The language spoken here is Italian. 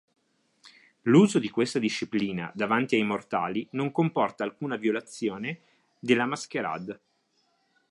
L'uso di questa Disciplina davanti ai mortali non comporta alcuna violazione della Masquerade.